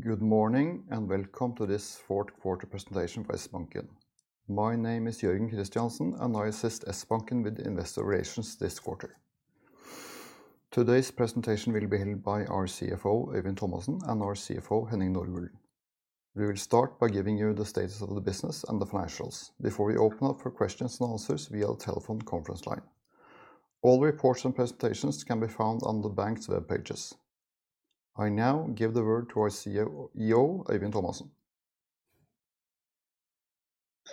Good morning, and welcome to this fourth quarter presentation for Sbanken. My name is Jørgen Christiansen, and I assist Sbanken with Investor Relations this quarter. Today's presentation will be held by our CEO, Øyvind Thomassen, and our CFO, Henning Nordgulen. We will start by giving you the status of the business and the financials before we open up for questions and answers via telephone conference line. All reports and presentations can be found on the bank's webpages. I now give the word to our CEO, Øyvind Thomassen.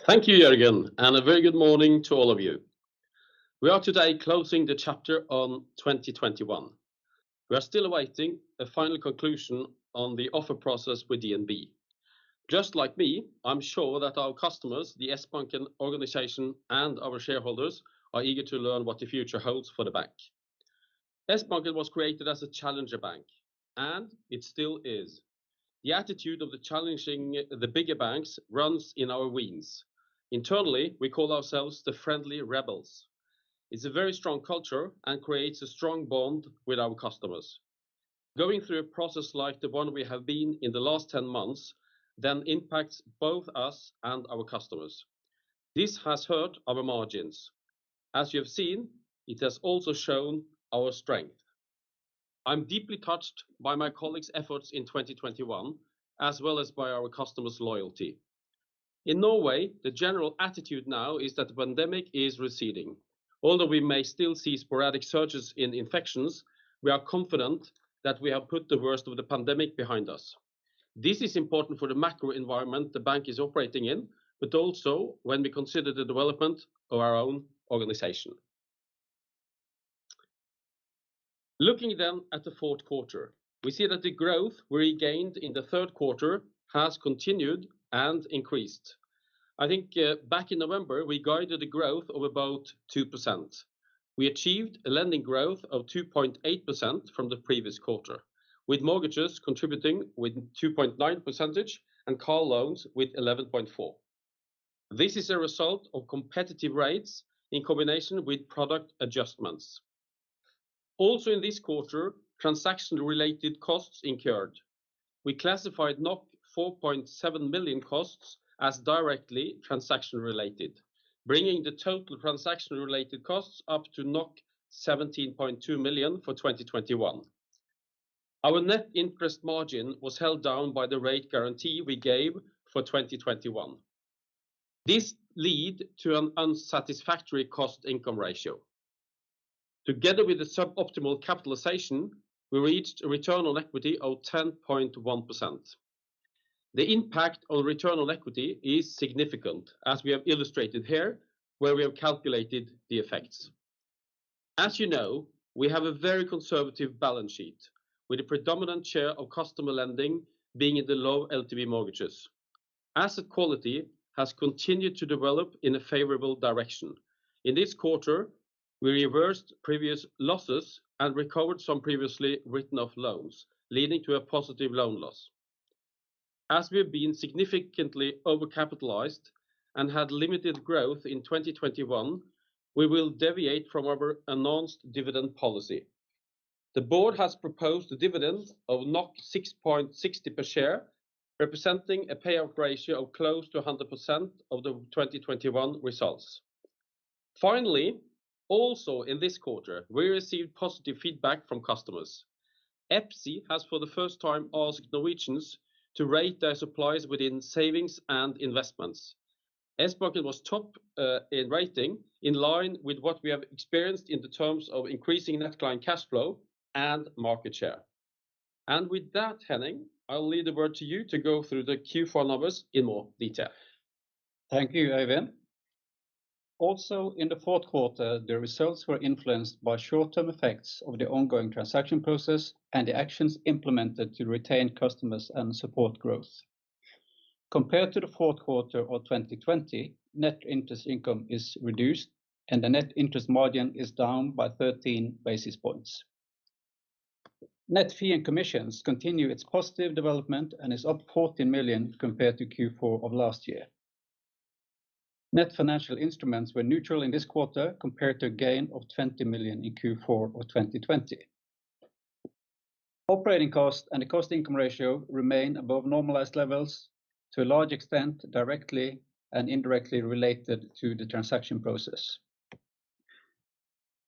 Thank you, Jørgen, and a very good morning to all of you. We are today closing the chapter on 2021. We are still awaiting a final conclusion on the offer process with DNB. Just like me, I'm sure that our customers, the Sbanken organization, and our shareholders are eager to learn what the future holds for the bank. Sbanken was created as a challenger bank, and it still is. The attitude of challenging the bigger banks runs in our veins. Internally, we call ourselves the friendly rebels. It's a very strong culture and creates a strong bond with our customers. Going through a process like the one we have been in the last 10 months then impacts both us and our customers. This has hurt our margins. As you have seen, it has also shown our strength. I'm deeply touched by my colleagues' efforts in 2021, as well as by our customers' loyalty. In Norway, the general attitude now is that the pandemic is receding. Although we may still see sporadic surges in infections, we are confident that we have put the worst of the pandemic behind us. This is important for the macro environment the bank is operating in, but also when we consider the development of our own organization. Looking at the fourth quarter, we see that the growth we regained in the third quarter has continued and increased. I think back in November, we guided a growth of about 2%. We achieved a lending growth of 2.8% from the previous quarter, with mortgages contributing with 2.9% and car loans with 11.4%. This is a result of competitive rates in combination with product adjustments. Also in this quarter, transaction-related costs incurred. We classified 4.7 million costs as directly transaction-related, bringing the total transaction-related costs up to 17.2 million for 2021. Our net interest margin was held down by the rate guarantee we gave for 2021. This led to an unsatisfactory cost-income ratio. Together with the suboptimal capitalization, we reached a return on equity of 10.1%. The impact on return on equity is significant, as we have illustrated here, where we have calculated the effects. As you know, we have a very conservative balance sheet with a predominant share of customer lending being in the low LTV mortgages. Asset quality has continued to develop in a favorable direction. In this quarter, we reversed previous losses and recovered some previously written off loans, leading to a positive loan loss. As we've been significantly overcapitalized and had limited growth in 2021, we will deviate from our announced dividend policy. The board has proposed a dividend of 6.60 per share, representing a payout ratio of close to 100% of the 2021 results. Finally, also in this quarter, we received positive feedback from customers. EPSI has for the first time asked Norwegians to rate their suppliers within savings and investments. Sbanken was top in rating in line with what we have experienced in terms of increasing net client cash flow and market share. With that, Henning, I'll leave the word to you to go through the Q4 numbers in more detail. Thank you, Øyvind. In the fourth quarter, the results were influenced by short-term effects of the ongoing transaction process and the actions implemented to retain customers and support growth. Compared to the fourth quarter of 2020, net interest income is reduced and the net interest margin is down by 13 basis points. Net fees and commissions continue their positive development and are up 14 million compared to Q4 of last year. Net financial instruments were neutral in this quarter compared to a gain of 20 million in Q4 of 2020. Operating costs and the cost-income ratio remain above normalized levels to a large extent directly and indirectly related to the transaction process.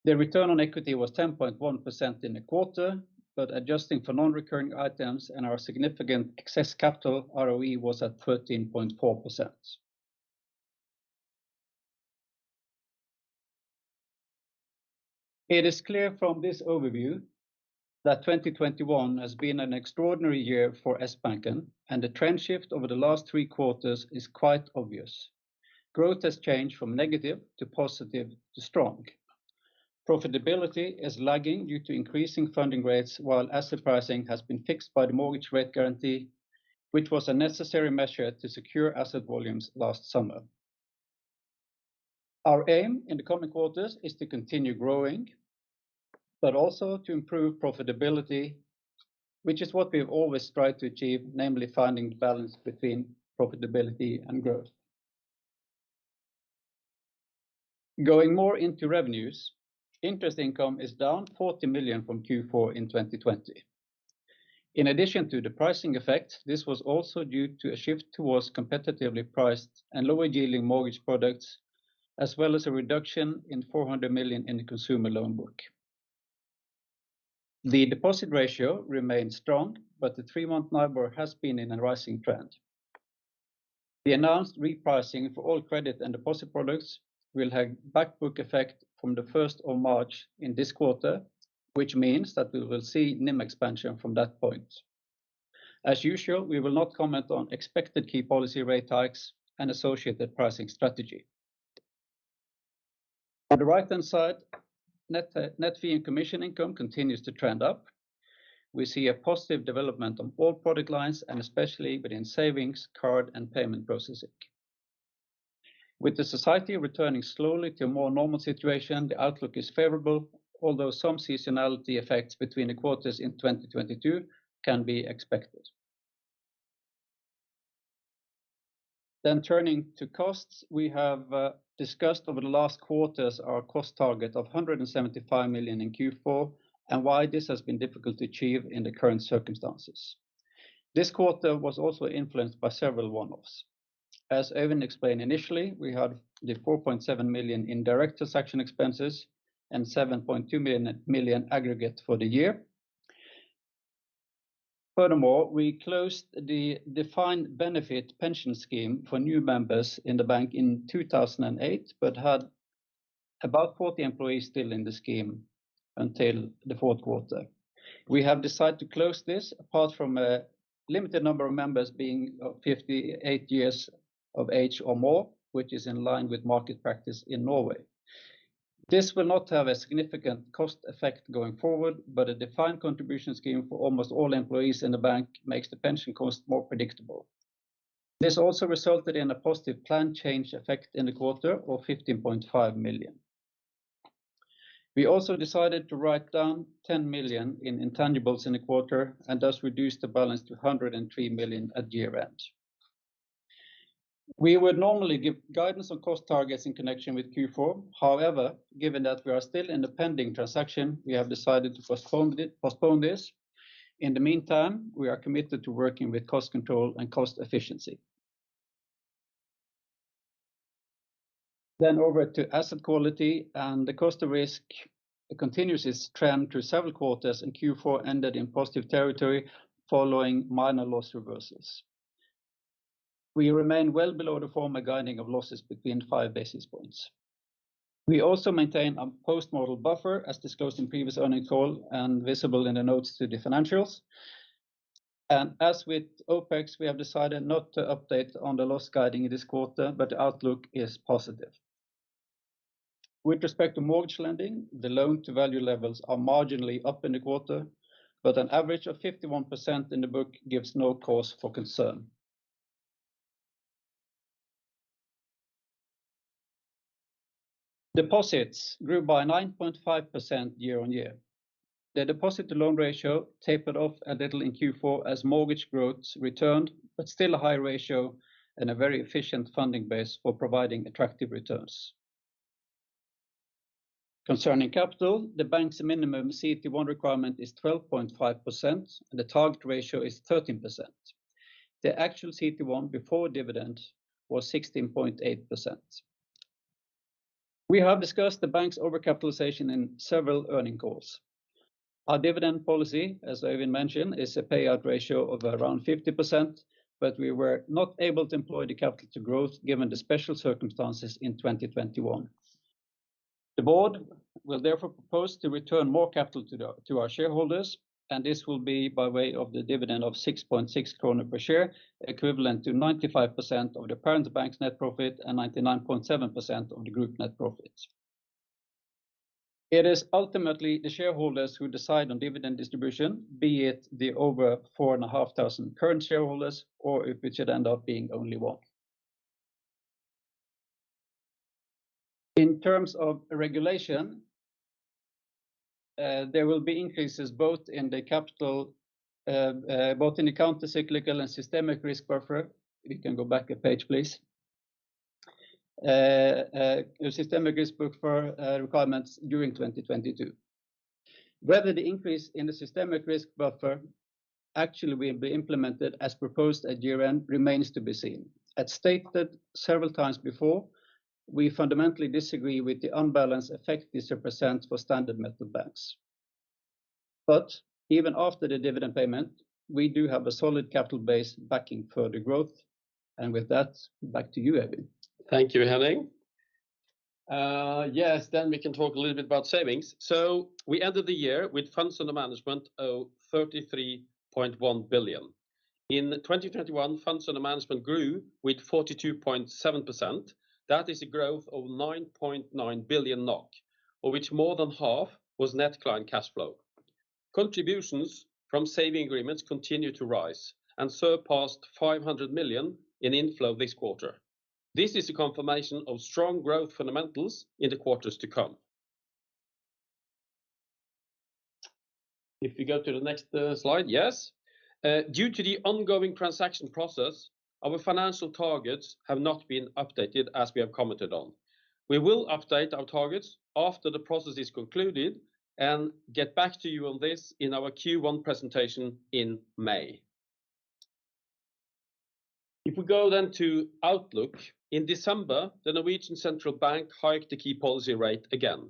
The return on equity was 10.1% in the quarter, but adjusting for non-recurring items and our significant excess capital, ROE was at 13.4%. It is clear from this overview that 2021 has been an extraordinary year for Sbanken, and the trend shift over the last three quarters is quite obvious. Growth has changed from negative to positive to strong. Profitability is lagging due to increasing funding rates while asset pricing has been fixed by the interest rate guarantee, which was a necessary measure to secure asset volumes last summer. Our aim in the coming quarters is to continue growing, but also to improve profitability, which is what we've always tried to achieve, namely finding balance between profitability and growth. Going more into revenues, interest income is down 40 million from Q4 in 2020. In addition to the pricing effect, this was also due to a shift towards competitively priced and lower yielding mortgage products, as well as a reduction in 400 million in consumer loan book. The deposit ratio remains strong, but the 3-month number has been in a rising trend. The announced repricing for all credit and deposit products will have back book effect from the first of March in this quarter, which means that we will see NIM expansion from that point. As usual, we will not comment on expected key policy rate hikes and associated pricing strategy. On the right-hand side, net fee and commission income continues to trend up. We see a positive development on all product lines, and especially within savings, card and payment processing. With the society returning slowly to a more normal situation, the outlook is favorable, although some seasonality effects between the quarters in 2022 can be expected. Turning to costs, we have discussed over the last quarters our cost target of 175 million in Q4 and why this has been difficult to achieve in the current circumstances. This quarter was also influenced by several one-offs. As Øyvind explained initially, we had the 4.7 million in direct transaction expenses and 7.2 million aggregate for the year. Furthermore, we closed the defined benefit pension scheme for new members in the bank in 2008, but had about 40 employees still in the scheme until the fourth quarter. We have decided to close this apart from a limited number of members being of 58 years of age or more, which is in line with market practice in Norway. This will not have a significant cost effect going forward, but a defined contribution scheme for almost all employees in the bank makes the pension cost more predictable. This also resulted in a positive plan change effect in the quarter of 15.5 million. We also decided to write down 10 million in intangibles in the quarter and thus reduce the balance to 103 million at year end. We would normally give guidance on cost targets in connection with Q4. However, given that we are still in the pending transaction, we have decided to postpone this. In the meantime, we are committed to working with cost control and cost efficiency. Over to asset quality. The cost of risk continues its trend through several quarters and Q4 ended in positive territory following minor loss reversals. We remain well below the former guiding of losses between five basis points. We also maintain a post-model buffer as disclosed in previous earnings call and visible in the notes to the financials. As with OpEx, we have decided not to update on the loss guiding this quarter, but the outlook is positive. With respect to mortgage lending, the loan-to-value levels are marginally up in the quarter, but an average of 51% in the book gives no cause for concern. Deposits grew by 9.5% year-on-year. The deposit-to-loan ratio tapered off a little in Q4 as mortgage growth returned, but still a high ratio and a very efficient funding base for providing attractive returns. Concerning capital, the bank's minimum CET1 requirement is 12.5% and the target ratio is 13%. The actual CET1 before dividends was 16.8%. We have discussed the bank's overcapitalization in several earnings calls. Our dividend policy, as Øyvind mentioned, is a payout ratio of around 50%, but we were not able to employ the capital to growth given the special circumstances in 2021. The board will therefore propose to return more capital to our shareholders, and this will be by way of the dividend of 6.6 krone per share, equivalent to 95% of the parent bank's net profit and 99.7% of the group net profit. It is ultimately the shareholders who decide on dividend distribution, be it the over 4,500 current shareholders, or if it should end up being only one. In terms of regulation, there will be increases both in the capital in the countercyclical buffer and systemic risk buffer. If you can go back a page, please. Systemic risk buffer requirements during 2022. Whether the increase in the systemic risk buffer actually will be implemented as proposed at year end remains to be seen. As stated several times before, we fundamentally disagree with the unbalanced effect this represents for standardized approach banks. Even after the dividend payment, we do have a solid capital base backing further growth. With that, back to you, Øyvind. Thank you, Henning. We can talk a little bit about savings. We ended the year with funds under management of 33.1 billion. In 2021, funds under management grew with 42.7%. That is a growth of 9.9 billion NOK, of which more than half was net client cash flow. Contributions from saving agreements continued to rise and surpassed 500 million in inflow this quarter. This is a confirmation of strong growth fundamentals in the quarters to come. If we go to the next slide. Due to the ongoing transaction process, our financial targets have not been updated as we have commented on. We will update our targets after the process is concluded and get back to you on this in our Q1 presentation in May. If we go then to outlook, in December, the Norwegian Central Bank hiked the key policy rate again.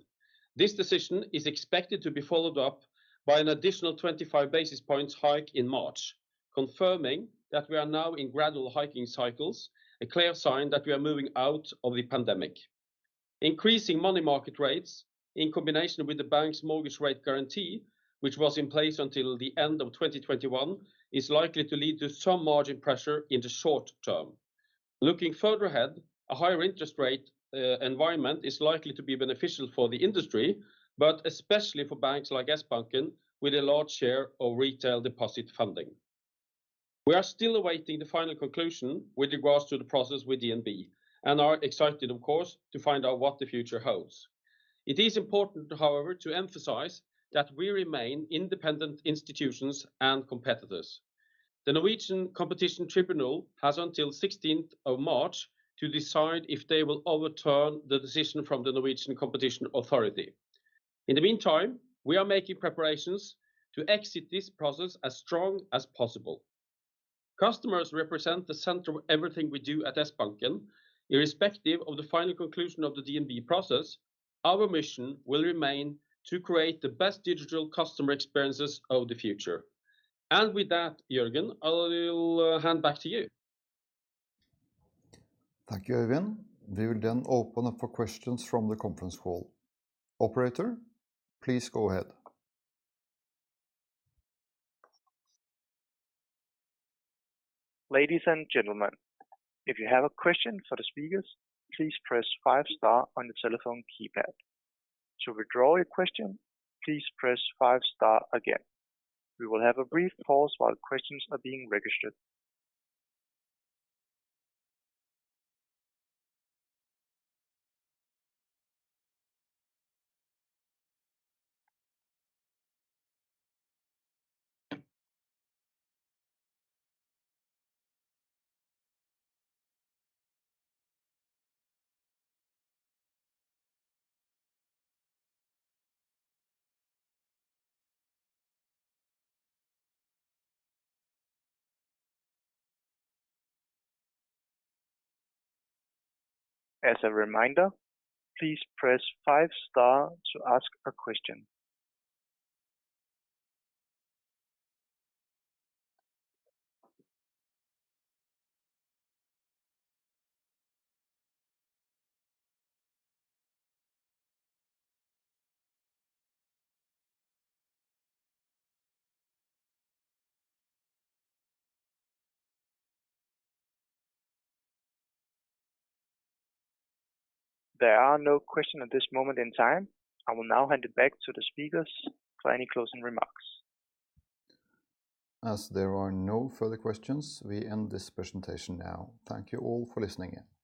This decision is expected to be followed up by an additional 25 basis points hike in March, confirming that we are now in gradual hiking cycles, a clear sign that we are moving out of the pandemic. Increasing money market rates in combination with the bank's interest rate guarantee, which was in place until the end of 2021, is likely to lead to some margin pressure in the short term. Looking further ahead, a higher interest rate environment is likely to be beneficial for the industry, but especially for banks like Sbanken with a large share of retail deposit funding. We are still awaiting the final conclusion with regards to the process with DNB and are excited, of course, to find out what the future holds. It is important, however, to emphasize that we remain independent institutions and competitors. The Norwegian Competition Tribunal has until 16th of March to decide if they will overturn the decision from the Norwegian Competition Authority. In the meantime, we are making preparations to exit this process as strong as possible. Customers represent the center of everything we do at Sbanken. Irrespective of the final conclusion of the DNB process, our mission will remain to create the best digital customer experiences of the future. With that, Jørgen, I will hand back to you. Thank you, Øyvind. We will then open up for questions from the conference call. Operator, please go ahead. Ladies and gentlemen, if you have a question for the speakers, please press five star on your telephone keypad. To withdraw your question, please press five star again. We will have a brief pause while questions are being registered. As a reminder, please press five star to ask a question. There are no question at this moment in time. I will now hand it back to the speakers for any closing remarks. As there are no further questions, we end this presentation now. Thank you all for listening in.